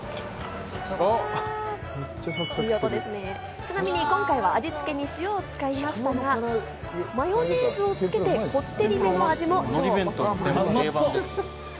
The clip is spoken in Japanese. ちなみに今回は味付けに塩を使いましたが、マヨネーズをつけて、こってりめな味も超おすすめです。